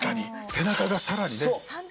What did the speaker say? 背中がさらにね。